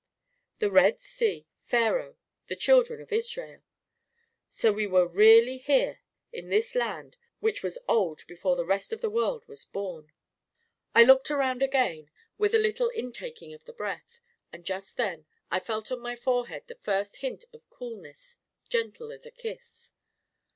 The Red Sea, Pharaoh, the children of Israel! So we were really here in this land which was old be fore the rest of the world was born! I looked around again, with a little in taking of .the breath. And just then, I felt on my forehead the first hint of coolness, gentle as a kiss.